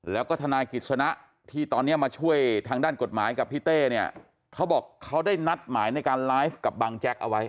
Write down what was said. แล้วก็ทนายกิจสนะที่ตอนนี้มาช่วยทางด้านกฎหมายกับพี่เต้เนี่ยเขาบอกเขาได้นัดหมายในการไลฟ์กับบังแจ๊กเอาไว้